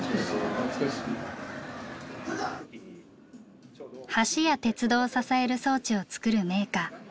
橋や鉄道を支える装置を作るメーカー。